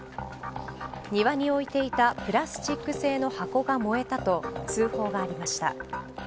庭に置いていたプラスチック製の箱が燃えたと通報がありました。